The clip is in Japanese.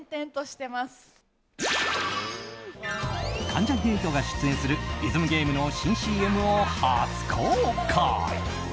関ジャニ∞が出演するリズムゲームの新ＣＭを初公開。